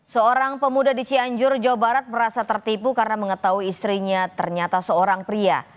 seorang pemuda di cianjur jawa barat merasa tertipu karena mengetahui istrinya ternyata seorang pria